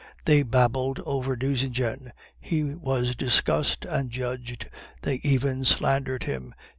They babbled over Nucingen; he was discussed and judged; they even slandered him.